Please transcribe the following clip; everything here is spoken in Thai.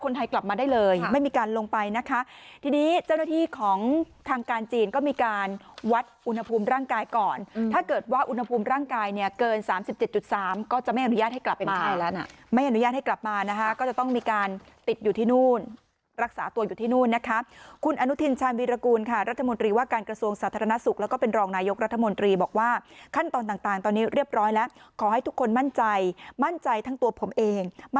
นกายเนี่ยเกินสามสิบเจ็ดจุดสามก็จะไม่อนุญาตให้กลับมาไม่อนุญาตให้กลับมานะฮะก็จะต้องมีการติดอยู่ที่นู่นรักษาตัวอยู่ที่นู่นนะคะคุณอนุทินชาญวิรากูลค่ะรัฐมนตรีว่าการกระทรวงสาธารณสุขแล้วก็เป็นรองนายกรัฐมนตรีบอกว่าขั้นตอนต่างต่างตอนนี้เรียบร้อยแล้วขอให้ทุกคนมั่นใจมั่นใจทั้งตัวผม